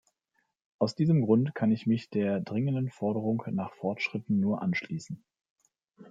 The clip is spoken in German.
Aus diesem Grunde kann ich mich der dringenden Forderung nach Fortschritten nur anschließen.